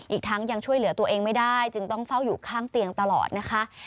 อีกทั้งยังช่วยเหลือตัวเองไม่ได้จึงต้องเฝ้าอยู่ข้างเตียงตลอดนะคะ